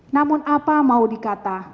namun apa mau dikata